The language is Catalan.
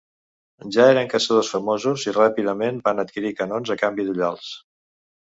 Ja eren caçadors famosos i ràpidament van adquirir canons a canvi d'ullals.